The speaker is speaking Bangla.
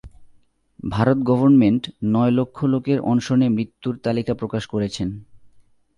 ভারত গভর্নমেন্ট নয় লক্ষ লোকের অনশনে মৃত্যুর তালিকা প্রকাশ করেছেন।